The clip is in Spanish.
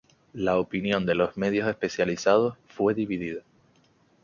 La opinión de los medios especializados fue dividida.